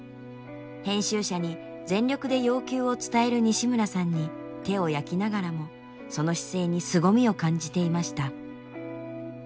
編集者に全力で要求を伝える西村さんに手を焼きながらもその姿勢にすごみを感じていました。